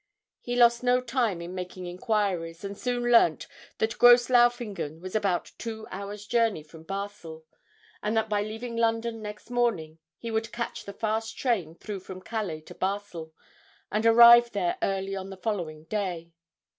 He lost no time in making inquiries, and soon learnt that Gross Laufingen was about two hours' journey from Basle, and that by leaving London next morning he would catch the fast train through from Calais to Basle, and arrive there early on the following day.